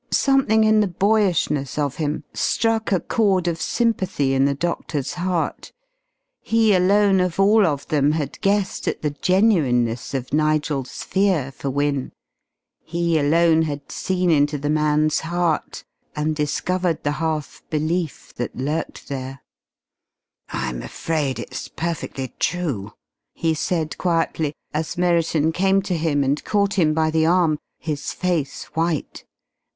Something in the boyishness of him struck a chord of sympathy in the doctor's heart. He alone of all of them had guessed at the genuineness of Nigel's fear for Wynne, he alone had seen into the man's heart, and discovered the half belief that lurked there. "I'm afraid it's perfectly true," he said quietly, as Merriton came to him and caught him by the arm, his face white.